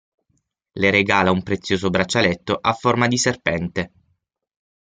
Le regala un prezioso braccialetto a forma di serpente.